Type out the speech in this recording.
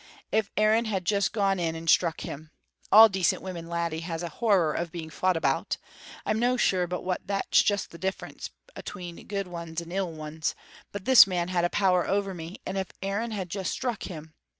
If Aaron had just gone in and struck him! All decent women, laddie, has a horror of being fought about. I'm no sure but what that's just the difference atween guid ones and ill ones, but this man had a power ower me; and if Aaron had just struck him!